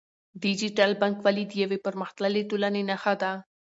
ډیجیټل بانکوالي د یوې پرمختللې ټولنې نښه ده.